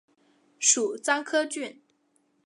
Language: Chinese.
属牂牁郡。